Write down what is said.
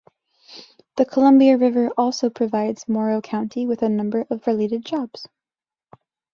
The Columbia River also provides Morrow County with a number of related jobs.